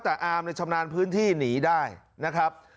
แต่อามชำนาญพื้นที่หนีได้นะครับ